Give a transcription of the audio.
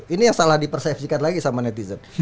ini yang salah dipersepsikan lagi sama netizen